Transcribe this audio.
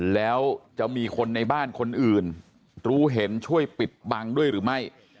แล้วจะมีคนในบ้านคนอื่นรู้เห็นช่วยปิดบังด้วยหรือไม่